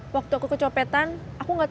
waktu aku kecoh petan